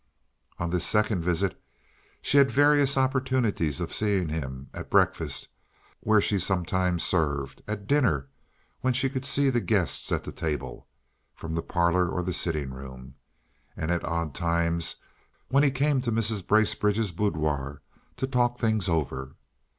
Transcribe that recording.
On this second visit she had various opportunities of seeing him, at breakfast, where she sometimes served, at dinner, when she could see the guests at the table from the parlor or sitting room, and at odd times when he came to Mrs. Bracebridge's boudoir to talk things over.